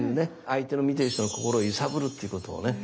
相手の見ている人の心をゆさぶるっていうことをね